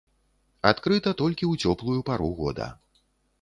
Адкрыта толькі ў цёплую пару года.